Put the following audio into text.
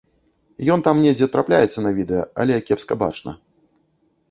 Ён там недзе трапляецца на відэа, але кепска бачна.